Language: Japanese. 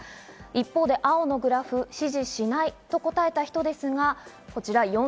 一方で青のグラフ、支持しないと答えた人ですが４１％。